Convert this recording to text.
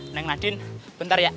neng nadin bentar ya